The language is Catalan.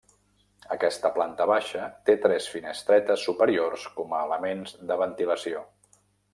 Aquesta planta baixa té tres finestretes superiors com a elements de ventilació.